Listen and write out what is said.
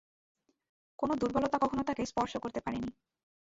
কোন দুর্বলতা কখনও তাঁকে স্পর্শ করতে পারেনি।